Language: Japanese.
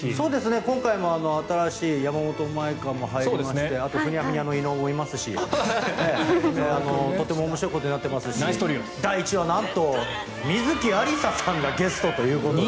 今回も新しい山本舞香も入りましてあとふにゃふにゃの伊野尾もいますしとても面白いことになっていますし第１話、なんと観月ありささんがゲストということで。